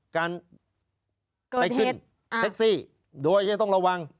การเกิดเหตุเท็กซี่โดยจะต้องระวัง